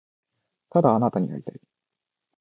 ただあなたに会いたい